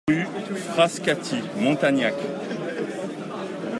Rue Frascati, Montagnac